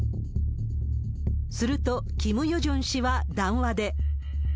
すると、キム・ヨジョン氏は談話で。